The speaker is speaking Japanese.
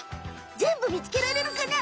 全部見つけられるかな？